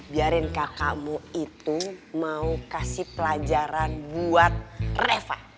biarin kakakmu itu mau kasih pelajaran buat reva